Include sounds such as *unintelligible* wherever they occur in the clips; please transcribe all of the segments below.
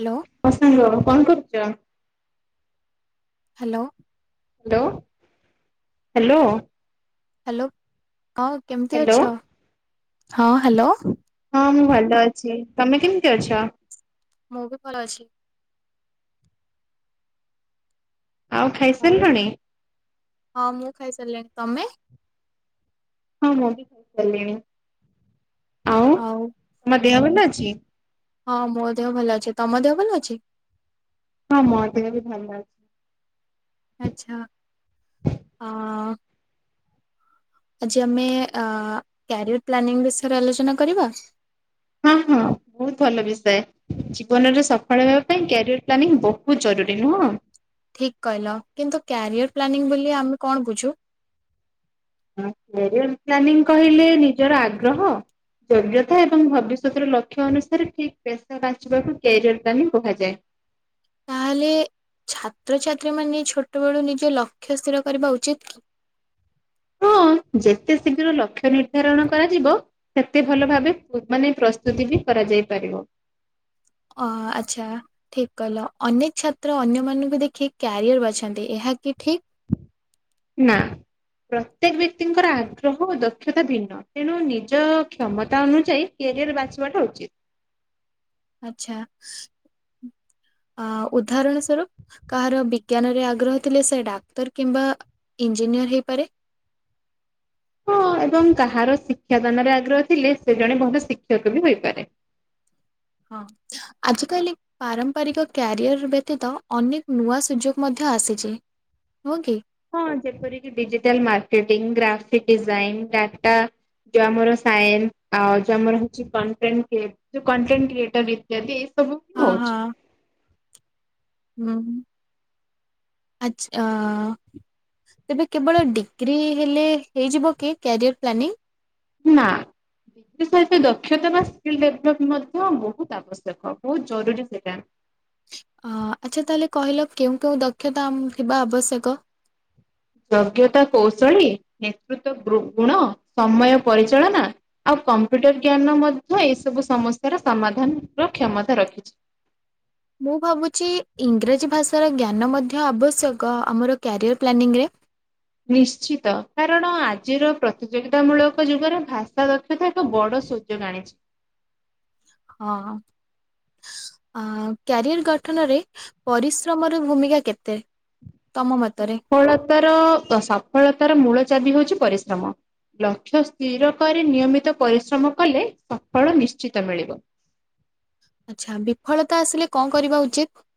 Hello. ହ ସାଙ୍ଗ କଣ କରୁଛ? ହାଲୋ। Hello hello. ହାଲୋ ଆଉ କେମିତି ହ୍ୟାଲୋ ଅଛ ହଁ ହାଲୋ। ହଁ ମୁଁ ଭଲ ଅଛି ତମେ କେମିତି ଅଛ? ମୁଁ ବି ଭଲ ଅଛି। ଆଉ ଖାଇ ସାରିଲଣି? ହଁ ମୁଁ ଖାଇ ସାରିଲିଣି ତମେ? ହଁ ମୁ ବି ଖାଇସାରିଲଣି। ଆଉ। ତମ ଦେହ ଭଲ ଅଛି। ହଁ ମୋ ଦେହ ଭଲ ଅଛି ତମ ଦେହ ଭଲ ଅଛି। ହଁ ମୋ ଦେହ ବି ଭଲ ଅଛି। ଆଚ୍ଛା ଅ। ଆଜି ଆମେ ଆ କ୍ୟାରିୟର ପ୍ଲାନିଂ ବିଷୟରେ ଆଲୋଚନା କରିବା। ଆ ହଁ ବହୁତ ଭଲ ବିଷୟ। ଜୀବନରେ ସଫଳ ହେବା ପାଇଁ କ୍ୟାରିୟର ପ୍ଲାନିଂ ବହୁତ ଜରୁରୀ ନୁହଁ। ଠିକ୍ କହିଲ କିନ୍ତୁ କ୍ୟାରିଅର ପ୍ଲାନିଂ ବୋଲି ଆମେ କଣ ବୁଝୁ। ହଁ କ୍ୟାରିୟର ପ୍ଲାନିଂ କହିଲେ ନିଜର ଆଗ୍ରହ। ଯୋଗ୍ୟତା ଏବଂ ଭବିଷ୍ୟତ ର ଲକ୍ଷ୍ୟ ଅନୁସାରେ ଠିକ୍ ପେସ ସା ବାଛିବାକୁ କ୍ୟାରିୟର ପ୍ଲାନିଙ୍ଗ କୁହାଯାଏ। ତାହେଲେ ଛାତ୍ରଛାତ୍ରୀ ମାନେ ଛୋଟବେଳୁ ନିଜ ଲକ୍ଷ୍ୟ ସ୍ଥିର କରିବା ଉଚିତ କି? ହଁ ଯେତେ ଶୀଘ୍ର ଲକ୍ଷ୍ୟ ନିର୍ଦ୍ଧାରଣ କରାଯିବ। ସେତେ ଭଲ ଭାବେ ମାନେ ପ୍ରସ୍ତୁତି ବି କରାଯାଇ ପାରିବ। ଅ ଆଚ୍ଛା। ଠିକ୍ କହିଲ। ଅନେକ ଛାତ୍ର ଅନ୍ୟ ମାନଙ୍କୁ ଦେଖି କ୍ୟାରିଅର ବାଛନ୍ତି, ଏହାକି ଠିକ୍? ନା। ପ୍ରତ୍ୟେକ ବ୍ୟକ୍ତିଙ୍କର ଆଗ୍ରହ ଓ ଦକ୍ଷତା ଭିନ୍ନ। ତେଣୁ ନିଜ କ୍ଷମତା ଅନୁଯାୟୀ କ୍ୟାରିୟର ବାଛିବାଟା ଉଚିତ୍। ଆଚ୍ଛା। ଆ ଉଦାହରଣ ସ୍ୱରୂପ୍ କାହାର ବିଜ୍ଞାନରେ ଆଗ୍ରହ ଥିଲେ ସେ ଡାକ୍ତର କିମ୍ବା ଇଞ୍ଜିନିୟର ହେଇପାରେ। ହଁ ଏବଂ କାହାର ଶିକ୍ଷାଦାନରେ ଆଗ୍ରହ ଥିଲେ ସେ ଜଣେ ଭଲ ଶିକ୍ଷକ ବି ହୋଇପାରେ। ହଁ। ଆଜିକାଲି ପାରମ୍ପରିକ କ୍ୟାରିଅର ବ୍ୟତୀତ ଅନେକ ନୂଆ ସୁଯୋଗ ମଧ୍ୟ ଆସିଚି। ନୁହଁ କି? ହଁ। ଯେପରିକି digital marketing, graphic design, data ଯୋଉ ଆମର ସାଇନ୍ ଆଉ ଯୋଉ ଆମର ହଉଚି କଣ୍ଟେଣ୍ଟ କ୍ରିଏ ଯୋଉ କଣ୍ଟେଣ୍ଟ କ୍ରିଏଟର ଯଦି ଏଇ ସବୁ ହଁ ହଁ। ହଉଚି ହୁଁ ଆଚ୍ଛା। ତେବେ କେବଳ ଡିଗ୍ରୀ ହେଲେ ହେଇଯିବ କି କ୍ୟାରିୟର ପ୍ଲାନିଂ? ନା। ତା ସହିତ ଦକ୍ଷତା ବା ସ୍କିଲ୍ ଡେଭଲପ୍ ମଧ୍ୟ ବହୁତ୍ ଆବଶ୍ୟକ ବହୁତ ଜରୁରୀ ସେଟା। ଅ ଆଚ୍ଛା ତାହେଲେ କହିଲ କେଉଁ କେଉଁ ଦକ୍ଷତା ଥିବା ଆବଶ୍ୟକ? ଯୋଗ୍ୟତା କୌଶଳୀ, ନେତୃତ୍ୱ ଗୃ ଗୁଣ, ସମୟ ପରିଚାଳନା ଆଉ କମ୍ପ୍ୟୁଟର ଜ୍ଞାନ ମଧ୍ୟ ଏ ସବୁ ସମସ୍ୟାର ସମାଧାନ ର କ୍ଷମତା ରଖିଚି। ମୁଁ ଭାବୁଚି ଇଂରାଜୀ ଭାଷାର ଜ୍ଞାନ ମଧ୍ୟ ଆବଶ୍ୟକ, ଆମର କ୍ୟାରିଅର ପ୍ଲାନିଂରେ। ନିଶ୍ଚିତ। କାରଣ ଆଜିର ପ୍ରତିଯୋଗିତା ମୂଳକ ଯୁଗରେ ଭାଷା ଦକ୍ଷତା ଏକ ବଡ ଶୁ ସୁଯୋଗ ଆଣିଚି। ହଁ। ଅ କ୍ୟାରିଅର ଗଠନରେ ପରିଶ୍ରମର ଭୂମିକା କେତେ? ତମ ମତରେ। ସଫଳତାର ସଫଳତାର ମୂଳ ଚାବି ହଉଚି ପରିଶ୍ରମ। ଲକ୍ଷ୍ୟ ସ୍ଥିର କରି ନିୟମିତ ପରିଶ୍ରମ କଲେ ସଫଳ ନିଶ୍ଚିତ ମିଳିବ। ଆଚ୍ଛା, ବିଫଳତା ଆସିଲେ କଣ କରିବା ଉଚିତ?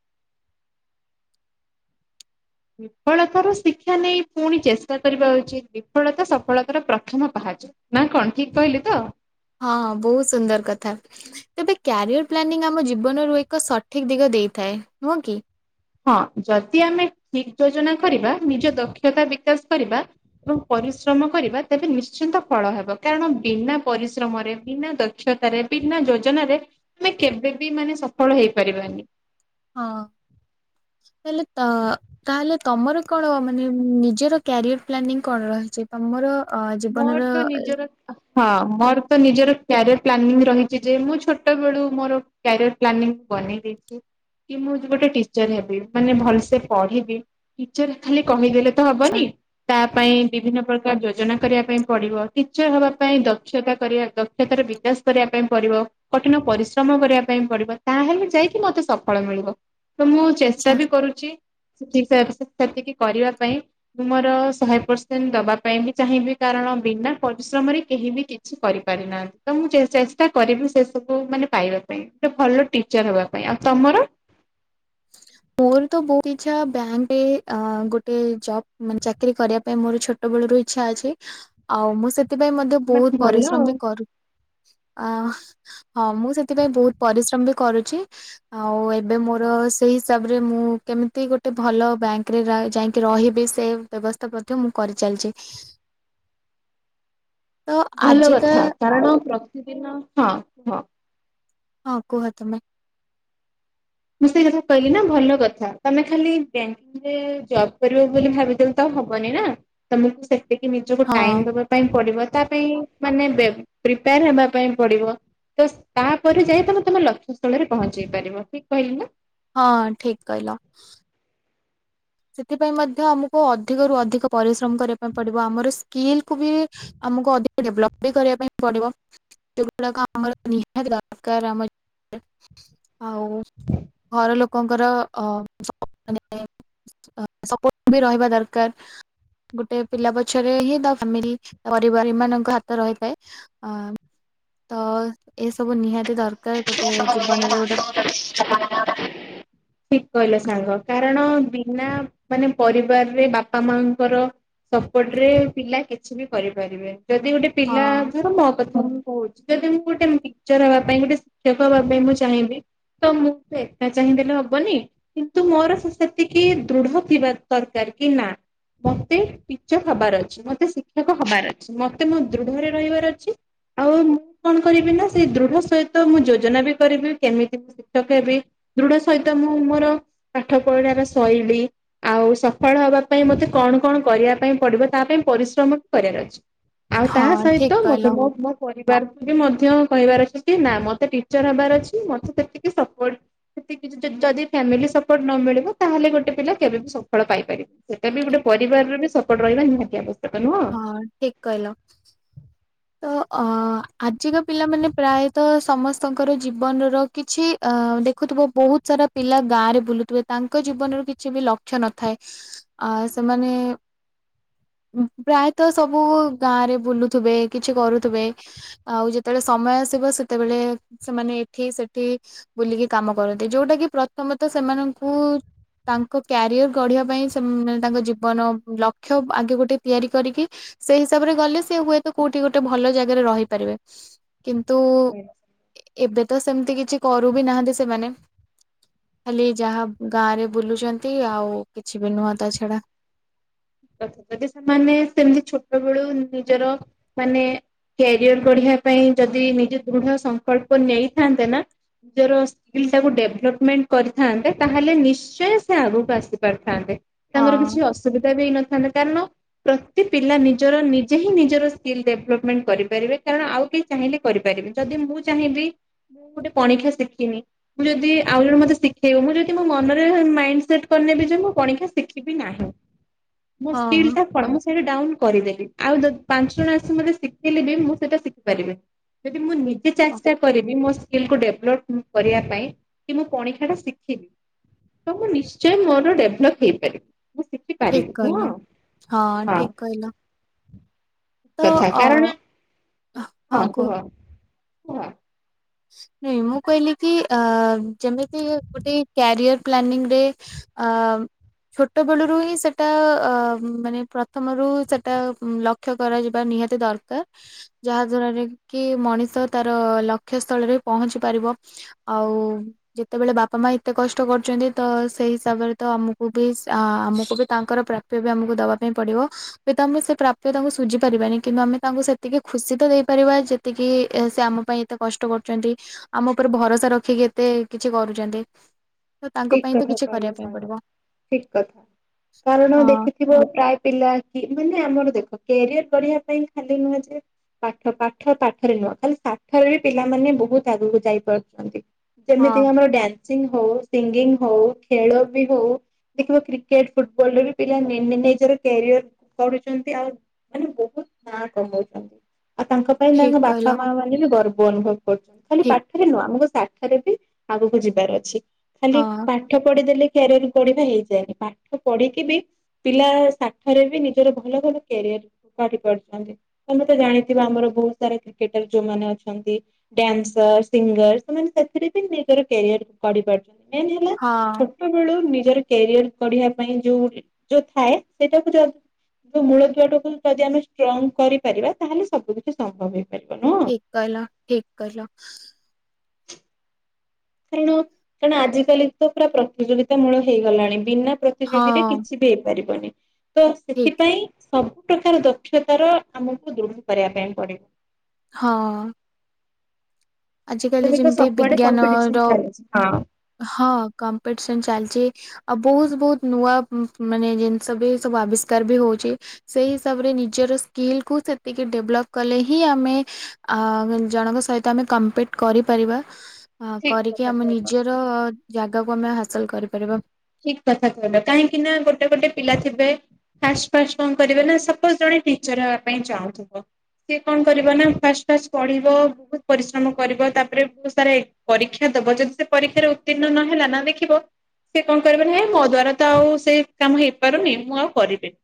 ବିଫଳତାର ଶିକ୍ଷା ନେଇ ପୁଣି ଚେଷ୍ଟା କରିବା ଉଚିତ୍। ବିଫଳତା ସଫଳତାର ପ୍ରଥମ ପାହାଚ। ନା କଣ ଠିକ୍ କହିଲି ତ? ହଁ ବହୁତ୍ ସୁନ୍ଦର କଥା। ତେବେ କ୍ୟାରିୟର ପ୍ଲାନିଂ ଆମ ଜୀବନରୁ ଏକ ସଠିକ୍ ଦିଗ ଦେଇଥାଏ। ନୁହଁ କି? ହଁ। ଯଦି ଆମେ ଠିକ୍ ଯୋଜନା କରିବା ନିଜ ଦକ୍ଷତା ବିକାଶ କରିବା ଏବଂ ପରିଶ୍ରମ କରିବା ତେବେ ନିଶ୍ଚିନ୍ତ ଫଳ ହେବ। କାରଣ ବିନା ପରିଶ୍ରମରେ ବିନା ଦ କ୍ଷତା ରେ ବିନା ଯୋଜନାରେ ଆମେ କେବେ ବି ମାନେ ସଫଳ ହେଇପାରିବାନି। ହଁ। ହେଲେ ତ ତାହେଲେ ତମର କଣ ମାନେ ନିଜର କ୍ୟାରିୟର ପ୍ଲାନିଂ କଣ ରହିଚି? ତମର ଅ ମୋର ଜୀବନର ତ ନିଜର ହଁ। ମୋର ତ ନିଜର କ୍ୟାରିୟର ପ୍ଲାନିଂ ରହିଚି ଯେ ମୁଁ ଛୋଟ ବେଳୁ ମୋର କ୍ୟାରିୟର ପ୍ଲାନିଂ ବନେଇ ଦେଇଚି। କି ମୁଁ ଗୋଟେ ଟିଚର ହେବି। ମାନେ ଭଲସେ ପଢିବି। ଟିଚର ଖାଲି କହିଦେଲେ ତ ଆଚ୍ଛା ହବନି ତା ପାଇଁ ବିଭିନ୍ନ ପ୍ରକାର ଯୋଜନା କରିବା ପାଇଁ ପଡ଼ିବ। ଟିଚର ହେବା ପାଇଁ ଦକ୍ଷତା କରିବା ଦକ୍ଷତାର ବିକାଶ କରିବା ପାଇଁ ପଡ଼ିବ। କଠିନ ପରିଶ୍ରମ କରିବା ପାଇଁ ପଡିବ, ତାହେଲେ ଯାଇକି ମତେ ସଫଳ ମିଳିବ। ତ ମୁଁ ଚେଷ୍ଟା ଆଚ୍ଛା। ବି କରୁଛି ଠିକ୍ *unintelligible* ସେତିକି କରିବା ପାଇଁଁ ମୋର ଶହେ ପରସେଣ୍ଟ ଦବା ପାଇଁ ବି ଚାହିଁବି। କାରଣ ବିନା ପରିଶ୍ରମରେ କେହି ବି କିଛି କରିପାରି ନାହାନ୍ତି ତ ମୁଁ ଚେଷ୍ଟା କରିବି ସେସବୁ ମାନେ ପାଇବାକୁ। ପାଇଁ ଭଲ ଟିଚର ହବା ପାଇଁ ଆଉ ତମର ମୋର ତ ବହୁତ ଇଛା ବ୍ୟାଙ୍କରେ ଗୋଟେ ଅ ଜବ ମାନେ ଚାକିର କରିବା ପାଇଁ ମୋର ଛୋଟ ବେଳ ରୁ ଇଚ୍ଛା ଅଛି ଆଉ ମୁଁ ସେଥିପାଇଁ ମଧ୍ୟ ବାସ୍ ବହୁତ ଭଲ ଆଉ ପରିଶ୍ରମ ବି କରୁ ଆ ହଁ ମୁଁ ସେଥିପାଇଁ ବହୁତ ପରିଶ୍ରମ ବି କରୁଛି ଆଉ ଏବେ ମୋର ସେଇସ୍ ହିସାବରେ ମୁଁ କେମିତି ଗୋଟେ ଭଲ ବ୍ୟାଙ୍କରେ ରା ଯାଇକି ରହିବି ସେ ବ୍ୟବସ ତ ମଧ୍ୟ ମୁଁ କରିଚାଲିଚି। ଭଲ କଥା କାରଣ ପ୍ରତିଦିନ ହଁ ହଁ। ହଁ କୁହ ତୁମେ। ମୁଁ ସେଇ କଥା କହିଲି ନା ଭଲ କଥା ତମେ ଖାଲି ବ୍ୟାଙ୍କିଙ୍ଗରେ ଜବ କରିବ ବୋଲି ଭାବିଦଉ ତ ହବନି ନା ତମକୁ ସେତିକି ନିଜକୁ ହଁ ଟାଇମ ଦବା ପାଇଁ ପଡିବ ତା ପାଇଁ ମାନେ ବେ ପ୍ରିପାର ହେବା ପାଇଁ ପଡିବ। ତ ତାପରେ ଯାଇ ତମେ ତମ ଲକ୍ଷ୍ୟ ସ୍ଥଳରେ ପହଞ୍ଚେଇ ପାରିବ ଠିକ କହିଲି ନା। ହଁ ଠିକ କହିଲ। ସେଥିପାଇଁ ମଧ୍ୟ ଆମକୁ ଅଧିକରୁ ଅଧିକ ପରିଶ୍ରମ କରିବା ପାଇଁ ପଡିବ ଆମର ସ୍କିଲ୍କୁ ବି ଆମକୁ ଅଧିକ ଡେଭଲପ ବି କରିବା ପାଇଁ ପଡିବ। ଯେଉଗୁଡାକ ଆମର ନିହାତି ଦରକାର ଆମ ଆଉ ଘର ଲୋକଙ୍କର ଅ ମାନେ ସପର୍ଟ ବି ରହିବା ଦରକାର। ଗୋଟେ ପିଲା ପଛରେ ହି ତା ଫାମିଲି ପରିବାରମାନାନଙ୍କ ହାତ ରହିଥାଏ। ଅ ତ ଏସବୁ ନିହାତି ଦରକାର ଗୋଟେ ଜୀବନରେ ଗୋଟେ *inaudible* ଠିକ କହିଲ ସାଙ୍ଗ କାରଣ ବିନା ମାନେ ପରିବାରରେ ବାପା ମାଙ୍କର ସପୋର୍ଟ ରେ ପିଲା କିଛି ବି କରିପାରିବେ। ଯଦି ଗୋଟେ ହଁ ପିଲା ଘର ମୋ କଥା ମୁଁ କହୁଛି ଯଦି ମୁଁ ଗୋଟେ ପିକଚର ହବା ପାଇଁ ଗୋଟେ ସେଖ ଭ ପାଇଁ ମୁଁ ଚାହିଁବି ତ ମୁଁ ଚାହିଁଦେଲେ ହବନି। କିନ୍ତୁ ମୋର ସେ ସେତିକି ଦୃଢ ଥିବା ଦରକାର କି ନା? ମତେ ଟିଚର ହବାର ଅଛି ମତେ ଶିକ୍ଷକ ହବାର ଅଛି ମତେ ମୋ ଦୃଢରେ ରହିବାର ଅଛି। ଆଉ ମୁଁ କଣ କରିବି ନା ସେଇ ଦୃଢ ସହିତ ମୁଁ ଯୋଜନା ବି କରିବି କେମିତି ଶିକ୍ଷକ ହେବି ଦୃଢ ସହିତ ମୁଁ ମୋର ପାଠ ପଢିଲାରେ ଶୈଳୀ ଆଉ ସଫଳ ହବା ପାଇଁ ମତେ କଣ କଣ କରିବା ପାଇଁ ପଡିବ ତା ପାଇଁ ପରିଶ୍ରମ ବି କରିବାର ଅଛି। ଆଉ ତା ହଁ ଠିକ ସହିତ ମତେ କହିଲ ମୋ ମୋ ପରିବାରକୁ ବି ମଧ୍ୟ କହିବାର ଅଛି କି ନା। ମତେ ଟିଚର ହବାର ଅଛି ମତେ ସେ ସପୋର୍ଟ ସେ କି ଯଦି ଫ୍ୟାମିଲି ସପୋର୍ଟ ନ ମିଳିବ ତାହେଲେ ଗୋଟେ ପିଲା କେବେ ବି ସଫଳ ପାଇପାରିବେ। ସେଇଟା ବି ଠିକ ଗୋଟେ ପରିବାରର ବି ସପୋର୍ଟ ରହିବା ନିହାତି ଆବଶ୍ୟକ ନୁହଁ। ହଁ ଠିକ କହିଲ। ତ ଅ ଆଜିକା ପିଲାମାନେ ପ୍ରାୟତଃ ସମସ୍ତଙ୍କର ଜୀବନର କିଛି ଅ ଦେଖୁଥିବ ବହୁତ ସାରା ପିଲା ଗାଁ ରେ ବୁଲୁଥିବେ ତାଙ୍କ ଜୀବନର କିଛି ବି ଲକ୍ଷ୍ୟ ନଥାଏ। ଆ ସେମାନେ ପ୍ରାୟତଃ ସବୁ ଗାଁରେ ବୁଲୁଥିବେ କିଛି କରୁଥିବେ। ଆଉ ଯେତେବେଳେ ସମୟ ଆସିବ ସେତେବେଳେ ସେମାନେ ଏଠି ସେଠି ବୁଲିକି କାମ କରନ୍ତି ଯୋଉଟା କି ପ୍ରଥମତଃ ସେମାନଙ୍କୁ ତାଙ୍କ କ୍ୟାରିଅର୍ ଗଢ଼ିବା ପାଇଁ ସେମ ତାଙ୍କ ଜୀବନ ଲକ୍ଷ୍ୟ ଆଗେ ଗୋଟେ ତିଆରି କରିକି ସେଇ ହିସାବରେ ଗଲେ ସେ ହୁଏତ କୋଉଠି ଗୋଟେ ଭଲ ଜାଗାରେ ରହିପାରିବେ କିନ୍ତୁ ହୁଁ ଏବେ ତ ସେମିତି କିଛି କରୁ ବି ନାହାନ୍ତି ସେମାନେ। ଖାଲି ଯାହା ଗାଁ ରେ ବୁଲୁଛନ୍ତି ଆଉ କିଛି ବି ନୁହଁ ତା ଛଡା। *unintelligible* ମାନେ ସେମିତି ଛୋଟ ବଳୁ ନିଜର ମାନେ କ୍ୟାରିଅର ବଢିବା ପାଇଁ ଯଦି ନିଜେ ଦୃଢ ସଂକଳ୍ପ ନେଇଥାନ୍ତେ ନା ନିଜର ତାକୁ ଡେଭଲପମେଣ୍ଟ କରିଥାନ୍ତେ ତାହେଲେ ନିଶ୍ଚୟ ସେ ଆଗକୁ ଆସି ପାରିଥାନ୍ତେ। ହଁ ତାଙ୍କର କିଛି ଅସୁବିଧା ବି ହେଇ ନଥାନ୍ତା କାରଣ ପ୍ରତି ପିଲା ନିଜର ନିଜେ ହିଁ ନିଜର ସ୍କିଲ୍ ଡେଭଲପମେଣ୍ଟ କରିପାରିବେ କାରଣ ଆଉ କି ଚାହିଁଲେ କରିପାରିବି ଯଦି ମୁଁ ଚାହିଁବି ମୁଁ ଗୋଟେ ପଣିଖା ଶିଖିନି ମୁଁ ଯଦି ଆଉ ଜଣେ ମତେ ଶିଖେଇବ ମୁଁ ଯଦି ମୋ ମନରେ ମାଇଣ୍ଡ ସେଟ୍ କରିନେବି ଯେ ମୁଁ କଣି ଶିଖିବି ନାହିଁ ମୋ ହଁ ସ୍କିଲଟା କଣ ମୁ ସେଉଠୁ ଡାଉନ କରିଦେଲି ଆଉ ଯଦି ପାଞ୍ଚ ଜଣ ଆସି ମତେ ଶିଖେଇଲେ ବି ମୁଁ ସେଇଟା ଶିଖିପାରିବିନି। ଯଦି ମୁଁ ନିଜେ ଠିକ ଚେଷ୍ଟା କରିବି ମୋ ସ୍କିଲ୍ କୁ ଡେଭଲପ କରିବା ପାଇଁ କି ମୁଁ କଣିଖା ଟା ଶିଖିବି ତ ମୁଁ ନିଶ୍ଚୟ ମୋର ଡେଭଲପ ହେଇପାରିବ ମୁଁ ଠିକ ଶିଖିପାରିବି। ନୁହଁ କହିଲ ହଁ ଠିକ କହିଲ। ତ କଥା ଅ କାରଣ ହଁ କୁହ କୁହ ମୁଁ କହିଲି କି ଅ ଯେମିତି ଗୋଟେ କ୍ୟାରିଅର ପ୍ଲାନିଂ ରେ ଆଂ ଛୋଟବେଳରୁ ହିଁ ସେଟା ମାନେ ପ୍ରଥମରୁ ସେଟା ଲକ୍ ଲକ୍ଷ କରାଯିବ ନିହାତି ଦରକାର ଯାହା ଦ୍ୱାରା କି ମଣିଷ ତାର ଲ ଖ୍ୟ ସ୍ଥଳରେ ପହଞ୍ଚି ପାରିବ ଆଉ ଯେତେବେଳେ ବାପା ମା ଏତେ କଷ୍ଟ କରୁଛନ୍ତି ତ ସେଇ ହିସାବରେ ତ ଆମକୁ ବି ଆମକୁ ବି ତାଙ୍କର ପ୍ରାପ୍ ବି ଆମକୁ ଦବା ପାଇଁ ପଡିବ ହୁଏ ତ ଆମେ ସେ ପ୍ରାପ୍ୟ ତାଙ୍କୁ ସୁଝି ପାରିବାନି କିନ୍ତୁ ଆମେ ତାଙ୍କୁ ସେତିକି ଖୁସି ତ ଦେଇପାରିବା ଯେତିକି ସେ ଆମ ପାଇଁ ଏତେ କଷ୍ଟ କରୁଛନ୍ତି ଆମ ଉପରେ ଭରସା ରଖିକି ଏତେ କିଛି କରୁଛନ୍ତି। ତ ତାଙ୍କ ଠିକ ପାଇଁ ତ କଥା କିଛି କରିବା କହିଲେ ପାଇଁ ସାଙ୍ଗ ପଡିବ। ଠିକ କଥା କାରଣ ହଁ ଦେଖି ଥିବ ପ୍ରାୟ ପିଲା କି ମାନେ ଆମର ଦେଖ କ୍ୟାରିଅର ବଢିବା ପାଇଁ ଖାଲି ନୁହଁ ଯେ ପାଠ ପାଠ ପାଠରେ ନୁହଁ ଖାଲି ସାଠରେ ବି ପିଲାମାନେ ବହୁତ ଆଗକୁ ଯାଇ ପାରୁଛନ୍ତି। ଯେମିତିି ହଁ ଆମର ଡାନସିଂ ହଉ ସିଙ୍ଗିଙ୍ଗ ହଉ ଖେଳ ବି ହଉ ଦେଖିବା କ୍ରିକେଟ ଫୁଟବଲ ବି ପିଲା ନିଜର କ୍ୟାରିୟର କରୁଛନ୍ତି ଆଉ ମାନେ ବହୁତ ନା କମଉଛନ୍ତି ଆଉ ତାଙ୍କ ପାଇଁ ଠିକ ତାଙ୍କ କହିଲ ବାପା ମା ମାନେ ବି ଗର୍ବ ଅନୁଭବ କରୁଛନ୍ତି ଖାଲି ଠିକ ପାଠରେ ନୁହଁ ଆମକୁ ସା ସାଠରେ ବି ଆଗକୁ ଯିବାର ଅଛି ଖାଲି ହଁ ପାଠ ପଢିଦେଲେ କାର୍ରଇଏର ପଢିବା ହେଇଯାଏନି ପାଠ ପଢିକି ବି ପିଲା ଶାଠରେ ବି ନିଜର ଭଲ ଭଲ କ୍ୟାରିୟର ଗଢ଼ି ପାରୁଛନ୍ତି। ତମେ ତେ ଜାଣିଥିବା ଆମର ବହୁତ ସାରା କ୍ରିକେଟର ଯୋଉମାନେ ଅଛନ୍ତି। ଡ୍ୟାନ୍ସର ସିଙ୍ଗର ସେମାନେ ସେଥିରେ ବି ନିଜର କ୍ୟାରିୟର କରି ପାରୁଛନ୍ତି ମେନ୍ ହେଲା ହଁ। ଛୋଟ ବଳୁ ନିଜର କ୍ୟାରିଅର କଢିବା ପାଇଁ ଯୋଉ ଯୋଉ ଥାଏ ସେଇଟାକୁ ଯ ମୂଳ ଦୁଆ ଟାକୁ ଯଦି ଆମେ ଷ୍ଟ୍ରଙ୍ଗ କରିପାରିବା ତାହେଲେ ସବୁ କିିଛି ସମ୍ଭବ ହେଇପାରିବ ନୁହଁ। ଠ କହିଲ ଠିକ କହିଲ। କାରଣ କାରଣ ଆଜିିକାଲି ତ ପୁରା ପ୍ରତିଯୋଗିତା ମୂଳ ହେଇଗଲାଣି ବିନା ପ୍ର ହଁ ତିଯୋଗୀରେ କିଛି ବି ହେଇପାରିବନି ତ ଠିକ ସେଥିପାଇଁ ସବୁ ପ୍ରକାର ଦକ୍ଷତାର ଆମକୁ ଦୃଢ କରିବା ପାଇଁ ପଡିବ। ହଁ। ଆଜିକାଲି ତ ଯେମିତି ସବୁଆଡେ କମ୍ପିଟିସନ ବିଜ୍ଞାନର ଚାଲିଛି ହଁ ହଁ କମ୍ପିଟିସନ ଚାଲଚି ଆଉ ବହୁତ ବହୁତ ନୂଆ ମାନେ ଜିନିଷ ବି ସବୁ ଆବିଷ୍କାର ବି ହଉଚି। ସେଇ ହିସାବରେ ନିଜର ସ୍କିଲ କୁ ସେତିକି ଡେଭଲପ କଲେ ହିଁ ଆମେ ଆ ଜଣଙ୍କ ସହିତ ଆମେ କମ୍ ପିଟ୍ କରିପାରିବା ଠିକ କରିକି କଥା ଆମ କହିଲ। ନିଜର ଜାଗାକୁ ଆମେ ହାସଲ କରିପାରିବା। ଠିକ କଥା କହିଲ କାହିଁକି ନା ଗୋଟେ ଗୋଟେ ପିଲା ଥିବେ ଫାଷ୍ଟ ଫାଷ୍ଟ କଣ କରିବ ନା ସପୋଜ ଜଣେ ଟିଚର ହେବା ପାଇଁ ଚାହୁଁଥିବ। ସିଏ କଣ କରିବ ନା ଫାଷ୍ଟ ଫାଷ୍ଟ ପଢିବ ବହୁତ ପରିଶ୍ରମ କରିବ ତାପରେ ବହୁତ ସାରା ଏକ୍ ପରୀକ୍ଷା ଦବ ଯଦି ସେ ପରୀକ୍ଷାରେ ଉତ୍ତୀର୍ଣ୍ଣ ନ ହେଲା ନା ଦେଖିବ ସେ କଣ କରିବ ନା ହେ ମୋ ଦ୍ଵାରା ତ ଆଉ ସେଇ କାମ ହେଇପାରୁନି ମୁଁ ଆଉ କରିବିନି।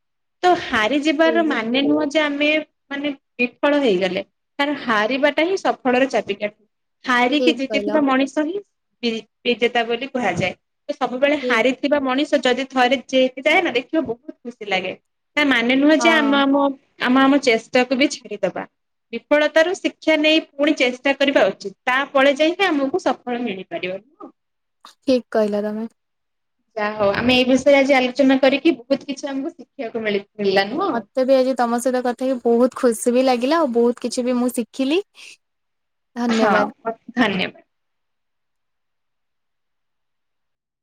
ତ ହାରିଯିବାର ମାନେ ନୁହଁ ଯେ ଯେ ଆମେ ମାନେ ବିଫଳ ହେଇଗଲେ କାରଣ ହାରିବାଟା ହିଁ ସଫଳର ଚାବିକାଠି ହାରିକି ଠିକ କହିଲ ଜିତିଥିବା ମଣିଷ ହିଁ ବି ବିଜେତା ବୋଲି କୁହାଯାଏ ସବୁବେଳେ ଠିକ ହାରି ଥିବା ମଣିଷ ଯଦି ଥରେ ଜେଇତି ଯାଏ ନା ଦେଖିବା ବହୁତ ଖୁସି ଲାଗେ। ମାନେ ନୁହଁ ଯେ ହଁ ଆମେ ଆମ ଆମ ଆମ ଚେଷ୍ଟାକୁ ବି ଛାଡିଦବା। ବିଫଳତାରୁ ଶିକ୍ଷା ନେଇ ପୁଣି ଚେଷ୍ଟା କରିବା ଉଚିତ ତାପଳେ ଯାଇକି ଆମକୁ ସଫଳ ମିଳିପାରିବ ନୁହଁ। ଠିକ କହିଲ ତମେ ଯାହା ହଉ ଆମେ ଏଇ ବିଷୟରେ ଆଜି ଆଲୋଚନା କରିକି ବହୁତ କିଛି ଆମକୁ ଶିଖିବାକୁ ମିଳିଲା ନୁହଁ? ମତେ ବି ଆଜି ତମ ସହିତ କଥା ହେଇକି ବହୁତ ଖୁସି ବି ଲାଗିଲା ଆଉ ବହୁତ କିଛି ବି ମୁଁ ଶିଖିଲି। ହଁ ଧନ୍ୟବାଦ। ଧନ୍ୟବାଦ।